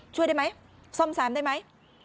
ช่วยได้ไหมซ่อมแซมได้ไหม